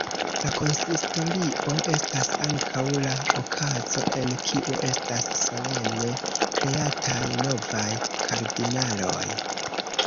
La konsistorio estas ankaŭ la okazo en kiu estas solene "kreataj" novaj kardinaloj.